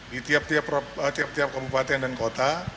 di tiap tiap kabupaten dan kota